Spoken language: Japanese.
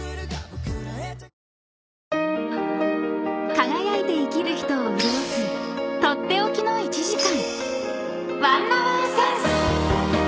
［輝いて生きる人を潤す取って置きの１時間］